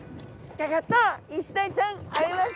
ギョギョッとイシダイちゃん会えました。